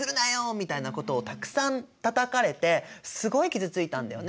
みたいなことをたくさんたたかれてすごい傷ついたんだよね。